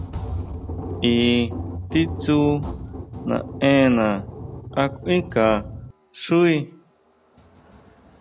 ¿I titsú naʼenna a kuinʼka xuí.